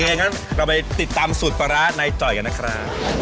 อย่างนั้นเราไปติดตามสูตรปลาร้าในจ่อยกันนะครับ